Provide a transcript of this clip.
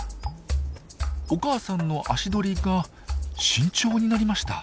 お母さんの足取りが慎重になりました。